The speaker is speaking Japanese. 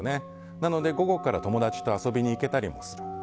なので午後から友達と遊びに行けたりもする。